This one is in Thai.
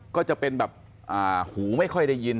ก็จะเป็นแบบหูไม่ค่อยได้ยิน